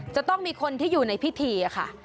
จะต้องมีคนที่อยู่ในพิธีค่ะ